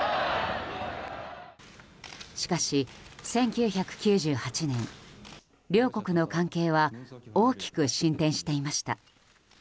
しかし１９９８年、両国の関係は大きく進展していました。